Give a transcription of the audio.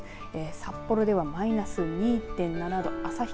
札幌ではマイナス２．７度旭川